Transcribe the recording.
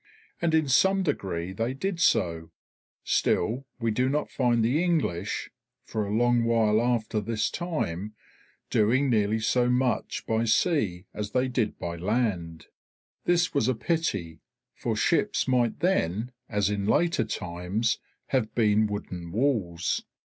And in some degree they did so; still we do not find the English, for a long while after this time, doing nearly so much by sea as they did by land. This was a pity; for ships might then, as in later times, have been wooden walls.